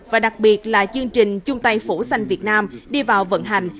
và đặc biệt là chương trình trung tây phủ xanh việt nam đi vào vận hành